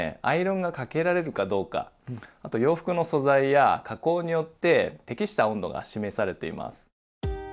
アイロンがかけられるかどうかあと洋服の素材や加工によって適した温度が示されています。